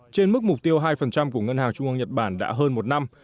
trên mức mục tiêu hai của ngân hàng trung ương nhật bản đã hơn một năm